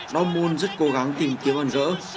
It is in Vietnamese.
dortmund rất cố gắng tìm kiếm ẩn gỡ